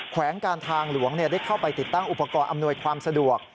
แขวงการทางหลวงได้เข้าไปติดตั้งอุปกรณ์อำนวยความสะดวก